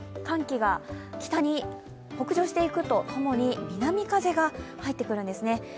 寒気が北上していくとともに南風が入ってくるんですね。